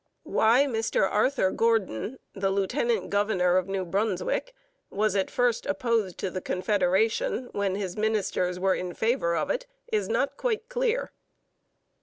Why Mr Arthur Gordon, the lieutenant governor of New Brunswick, was at first opposed to Confederation, when his ministers were in favour of it, is not quite clear.